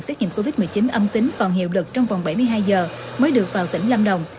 xét nghiệm covid một mươi chín âm tính còn hiệu lực trong vòng bảy mươi hai giờ mới được vào tỉnh lâm đồng